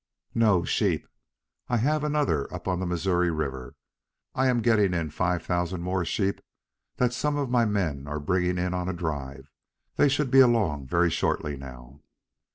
"No, sheep. I have another up on the Missouri River. I am getting in five thousand more sheep that some of my men are bringing in on a drive. They should be along very shortly now."